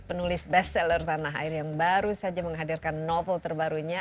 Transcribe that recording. penulis best seller tanah air yang baru saja menghadirkan novel terbarunya